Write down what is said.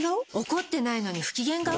怒ってないのに不機嫌顔？